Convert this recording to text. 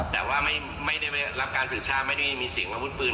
แต่ว่าไม่ได้รับการสืบทราบไม่ได้มีเสียงอาวุธปืน